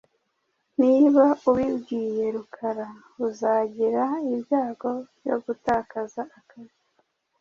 Niba ubibwiye Rukara , uzagira ibyago byo gutakaza akazi.